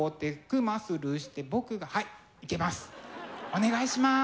お願いします。